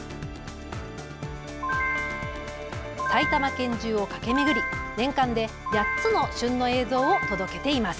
埼玉県中を駆け巡り年間で８つの旬の映像を届けています。